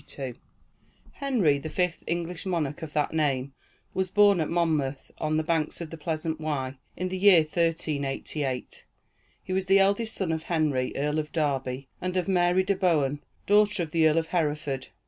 [TN]] Henry, the fifth English monarch of that name, was born at Monmouth, on the banks of the pleasant Wye, in the year 1388. He was the eldest son of Henry, Earl of Derby, and of Mary de Bohun, daughter of the Earl of Hereford.